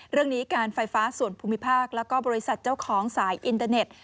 เรื่องนี้การไฟฟ้าส่วนภูมิภาคแล้วก็บริษัทเจ้าของสายอินเตอร์เน็ต